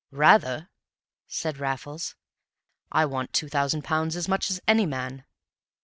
"Rather," said Raffles. "I want two thousand pounds as much as any man."